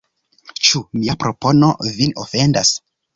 Ĉu mia propono vin ofendas?